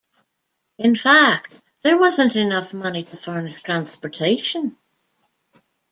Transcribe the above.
In fact, there wasn't enough money to furnish transportation.